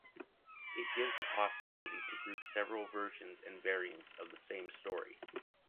It gives the possibility to group several versions and variants of the same story.